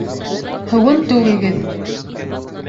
Һыуын түгегеҙ